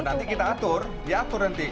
nanti kita atur diatur nanti